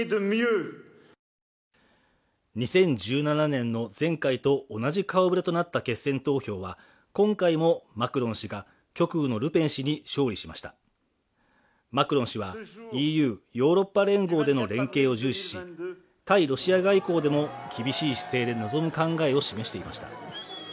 ２０１７年の前回と同じ顔ぶれとなった決選投票は今回もマクロン氏が極右のルペン氏に勝利しましたマクロン氏はＥＵ＝ヨーロッパ連合での連携を重視し対ロシア外交でも厳しい姿勢で臨む考えを示していました